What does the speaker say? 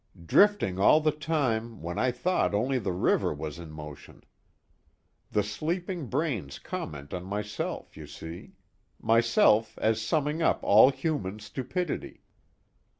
Drifting all the time when I thought only the river was in motion. The sleeping brain's comment on myself, you see? myself as summing up all human stupidity.